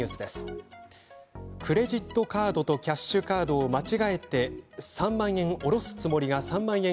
クレジットカードとキャッシュカードを間違えて３万円、おろすつもりが３万円